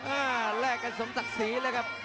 แลกกันสมศักดิ์ศรีเลยครับ